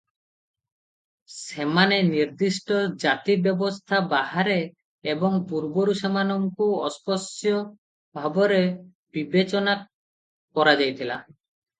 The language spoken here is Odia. ସେମାନେ ନିର୍ଦ୍ଦିଷ୍ଟ ଜାତି ବ୍ୟବସ୍ଥା ବାହାରେ ଏବଂ ପୂର୍ବରୁ ସେମାନଙ୍କୁ “ଅସ୍ପୃଶ୍ୟ” ଭାବରେ ବିବେଚନା କରାଯାଉଥିଲା ।